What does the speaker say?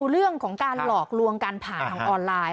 เรื่องของการหลอกลวงกันผ่านทางออนไลน์